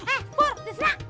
eh pur tisna